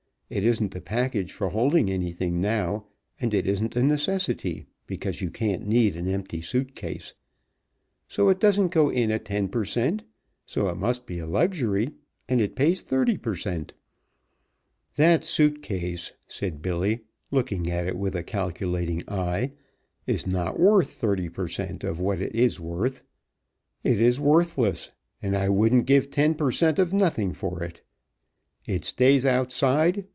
It isn't a package for holding anything now, and it isn't a necessity because you can't need an empty suit case so it doesn't go in at ten per cent., so it must be a luxury, and it pays thirty per cent." "That suit case," said Billy, looking at it with a calculating eye, "is not worth thirty per cent. of what it is worth. It is worthless, and I wouldn't give ten per cent. of nothing for it. It stays outside.